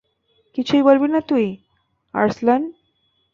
কিছু বলবি না তুই, আর্সলান।